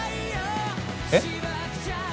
えっ？